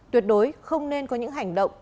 tuyệt đối không nên có những hành động